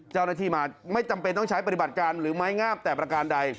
เจ้าหน้าที่มาไม่จำเป็นต้องใช้ปฏิบัติการหรือไม้งามแต่ประการใด